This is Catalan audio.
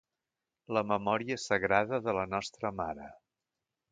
La memòria sagrada de la nostra mare.